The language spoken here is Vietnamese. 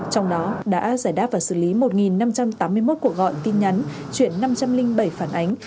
trong đó đã giải đáp và xử lý một năm trăm tám mươi một cuộc gọi tin nhắn chuyển năm trăm linh bảy phản ánh